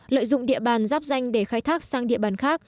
lợi dụng địa bàn giáp danh để khai thác sang địa bàn khác